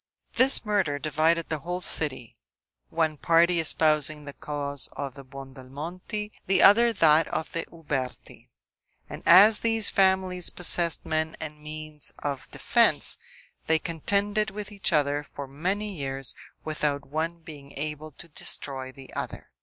This murder divided the whole city; one party espousing the cause of the Buondelmonti, the other that of the Uberti; and as these families possessed men and means of defense, they contended with each other for many years, without one being able to destroy the other.